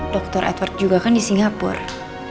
dr edward juga kan di singapura